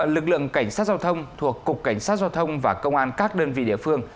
lực lượng cảnh sát giao thông thuộc cục cảnh sát giao thông và công an các đơn vị địa phương